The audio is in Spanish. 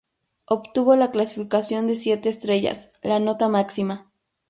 Obtuvo la clasificación de siete estrellas, la nota máxima.